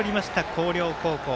広陵高校。